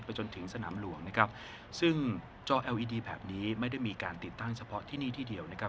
จนถึงสนามหลวงนะครับซึ่งจอเอลอีดีแบบนี้ไม่ได้มีการติดตั้งเฉพาะที่นี่ที่เดียวนะครับ